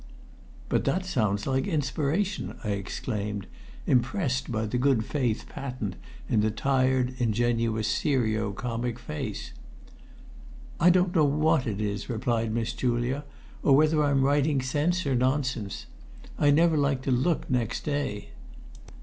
"But that sounds like inspiration!" I exclaimed, impressed by the good faith patent in the tired, ingenuous, serio comic face. "I don't know what it is," replied Miss Julia, "or whether I'm writing sense or nonsense. I never like to look next day.